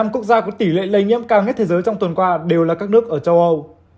năm quốc gia có tỷ lệ lây nhiễm cao nhất thế giới trong tuần qua đều là các nước ở châu âu